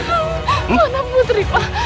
mana putri pa